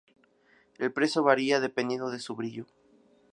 El precio varía dependiendo de su brillo.